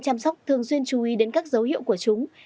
các nhân viên chăm sóc thường xuyên chú ý đến các dấu hiệu của chúng